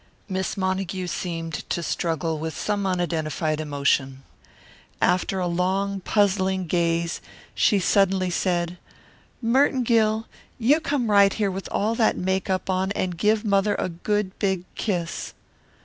Miss Montague seemed to struggle with some unidentified emotion. After a long, puzzling gaze she suddenly said: "Merton Gill, you come right here with all that make up on and give mother a good big kiss!"